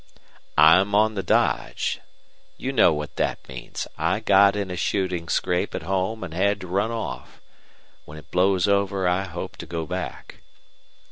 "I'm on the dodge. You know what that means. I got in a shooting scrape at home and had to run off. When it blows over I hope to go back."